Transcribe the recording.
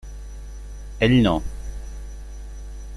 Ell no.